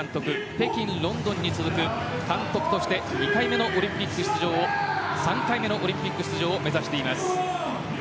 北京、ロンドンに続く監督として３回目のオリンピック出場を目指しています。